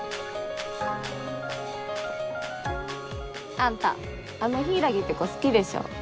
あんたあの柊って子好きでしょ？